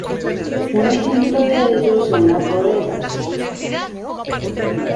Un ejemplo de ello son las bodegas.